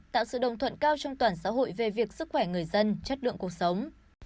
tạo sự đồng thuận cao trong toàn xã hội về việc sức khỏe người dân chất lượng cuộc sống